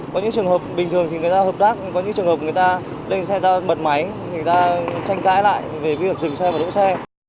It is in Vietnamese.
có những trường hợp bình thường thì người ta hợp tác có những trường hợp người ta lên xe ta bận máy người ta tranh cãi lại về cái việc dừng xe và đỗ xe